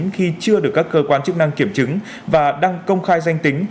khi chưa được các cơ quan chức năng kiểm chứng và đăng công khai danh tính